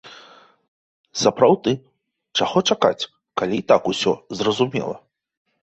Сапраўды, чаго чакаць, калі і так усё зразумела?